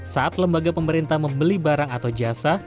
saat lembaga pemerintah membeli barang atau jasa